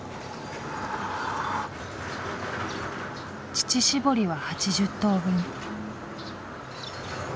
乳搾りは８０頭分。